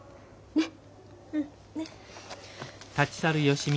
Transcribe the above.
ねっ。